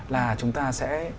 là chúng ta sẽ